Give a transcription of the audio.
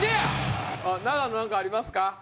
永野何かありますか？